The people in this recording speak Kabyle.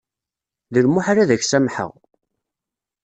D lmuḥal ad ak-samḥeɣ.